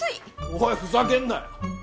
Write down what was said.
おいふざけるなよ！